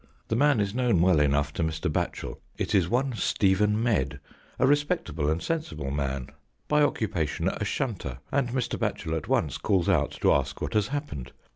The man is known well enough to Mr. Batchel. It is one Stephen Medd, a respectable and sensible man, by occupation a shunter, and Mr. Batchel at once calls out to ask what has happened.